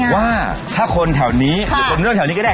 ว่าถ้าคนแถวนี้หรือคนเรื่องแถวนี้ก็ได้